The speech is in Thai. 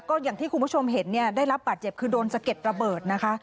ก็อย่างที่คุณผู้ชมเห็นเนี่ยได้รับบาดเจ็บคือโดนสะเก็ดระเบิดนะคะ